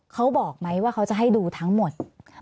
เขาบอกไหมว่าเขาจะให้ดูทั้งหมด